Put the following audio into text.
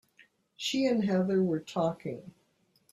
She and Heather were talking.